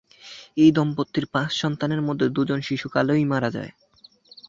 এই দম্পতির পাঁচ সন্তানের মধ্যে দুজন শিশুকালেই মারা যায়।